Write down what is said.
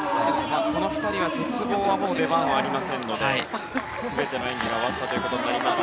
この２人は鉄棒の出番はありませんので全ての演技が終わったことになります。